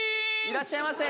いらっしゃいませ。